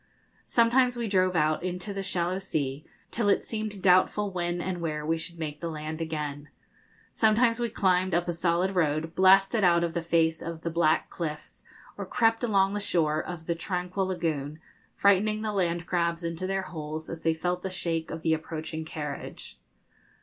Sometimes we drove out into the shallow sea, till it seemed doubtful when and where we should make the land again. Sometimes we climbed up a solid road, blasted out of the face of the black cliffs, or crept along the shore of the tranquil lagoon, frightening the land crabs into their holes as they felt the shake of the approaching carriage.